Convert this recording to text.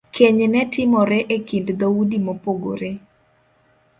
Keny ne timore e kind dhoudi mopogore .